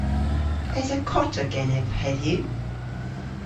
Esa kota genev hedhyw?